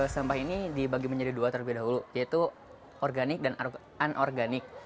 sampah ini dibagi menjadi dua terlebih dahulu yaitu organik dan anorganik